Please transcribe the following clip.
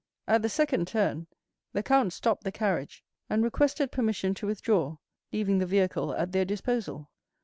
At the second turn, the count stopped the carriage, and requested permission to withdraw, leaving the vehicle at their disposal.